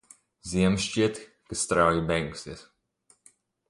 Ziema šķiet, ka strauji beigusies.